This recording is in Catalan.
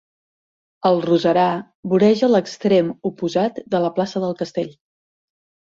El roserar voreja l'extrem oposat de la plaça del castell.